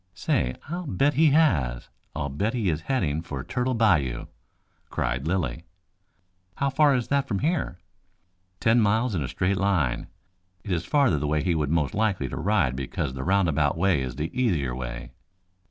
"Say, I'll bet he has. I'll bet he is heading for Turtle Bayou," cried Lilly. "How far is that from here?" "Ten miles in a straight line. It is farther the way he would be most likely to ride because the roundabout way is the easier way."